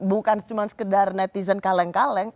bukan cuma sekedar netizen kaleng kaleng